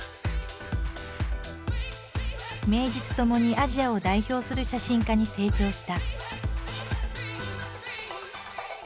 名実ともにアジアを代表する写真家に成長した。